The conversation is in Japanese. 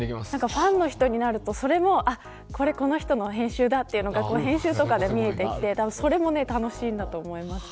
ファンの人になるとこれ、この人の編集だというのが編集とかで見えてきてそれも楽しいんだと思います。